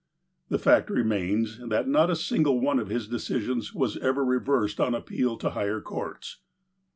The fact remains, that not a single one of his decisions was ever reversed on appeal to higher courts.